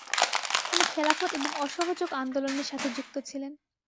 তিনি খেলাফত এবং অসহযোগ আন্দোলনের সাথে যুক্ত ছিলেন।